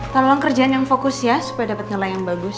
tolong kerjain yang fokus ya supaya dapat nilai yang bagus